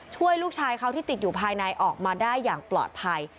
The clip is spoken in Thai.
ช่วยลูกชายเขาที่ติดอยู่ภายในออกมาได้อย่างปลอดภัย